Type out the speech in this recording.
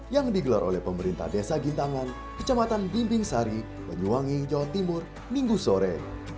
yang digelar oleh pemerintah desa gintangan kecamatan bimbing sari banyuwangi jawa timur minggu sore